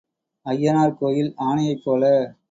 ஐயனார் கோயில் ஆனையைப் போல.